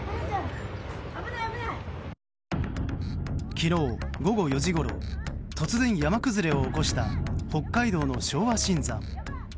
昨日午後４時ごろ突然、山崩れを起こした北海道の昭和新山。